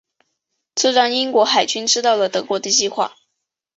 这让英国海军知道了德国的计划。